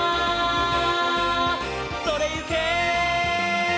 「それゆけ！」